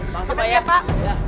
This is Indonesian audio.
makasih banyak pak